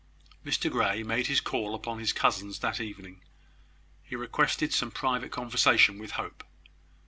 Mr Grey made his call upon his cousins that evening. He requested some private conversation with Hope.